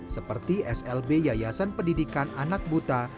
seperti slb yayasan pendidikan anak buta